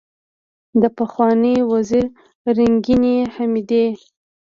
دپخوانۍ وزیرې رنګینې حمیدې